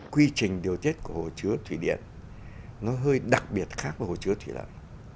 quy trình điều tiết của hồ chứa thủy điện nó hơi đặc biệt khác với hồ chứa thủy lợi